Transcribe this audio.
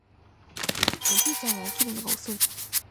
おじいちゃんは起きるのが遅い